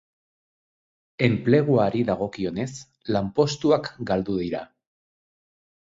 Enpleguari dagokionez, lanpostuak galdu dira.